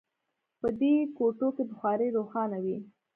په دې کوټو کې بخارۍ روښانه وي